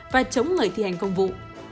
và chống người thi hành công vụ